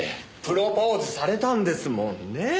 プロポーズされたんですもんねえ。